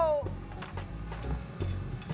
pur yang hijau